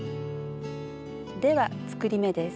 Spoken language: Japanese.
では作り目です。